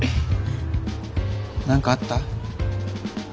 何かあった？